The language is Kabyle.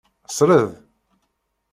Sred.